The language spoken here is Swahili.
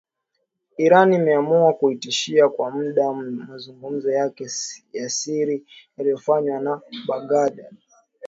Iran imeamua kusitisha kwa muda mazungumzo yake ya siri yaliyofanywa na Baghdad